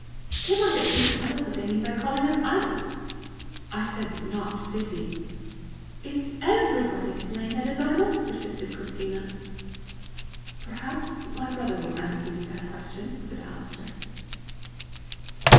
"They might at least tell us what they mean by calling us idle!" "I said NOT BUSY." "Is EVERYBODY to blame that is idle?" persisted Christina. "Perhaps my brother will answer you that question," said Alister.